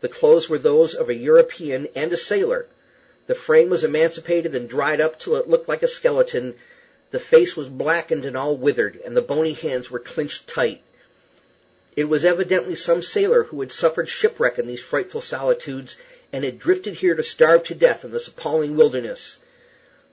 The clothes were those of a European and a sailor; the frame was emaciated and dried up, till it looked like a skeleton; the face was blackened and all withered, and the bony hands were clinched tight. It was evidently some sailor who had suffered shipwreck in these frightful solitudes, and had drifted here to starve to death in this appalling wilderness.